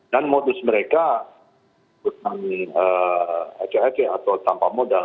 dan modus mereka bukan eke eke atau tanpa modal